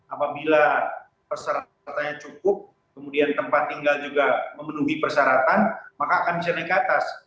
apabila pesertanya cukup kemudian tempat tinggal juga memenuhi persyaratan maka akan bisa naik ke atas